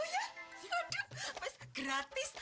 oh iya aduh gratis